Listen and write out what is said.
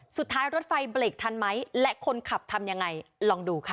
สุดท้ายรถไฟเบรกทันไหมและคนขับทำยังไงลองดูค่ะ